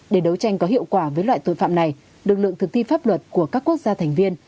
để đấu tranh có hiệu quả với loại tội phạm này lực lượng thực thi pháp luật của các quốc gia thành viên